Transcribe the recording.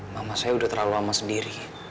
mama saya udah terlalu lama sendiri